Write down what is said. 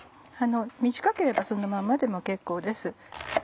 短ければそのまんまでも結構です。